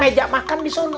meja makan di sana